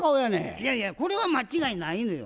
いやいやこれは間違いないのよ。